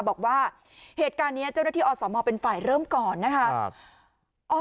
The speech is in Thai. บอกว่าเหตุการณ์นี้เจ้าหน้าที่อสมเป็นฝ่ายเริ่มก่อนนะคะ